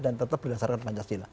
dan tetap berdasarkan pancasila